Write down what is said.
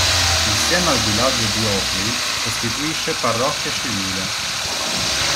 Insieme al villaggio di Oakley costituisce parrocchia civile.